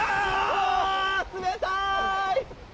冷たい！